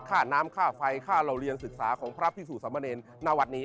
ค่าน้ำค่าไฟค่าเหล่าเรียนศึกษาของพระพิสูจนสมเนรหน้าวัดนี้